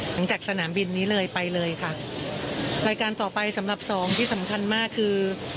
สนามบินนี้เลยไปเลยค่ะรายการต่อไปสำหรับสองที่สำคัญมากคือ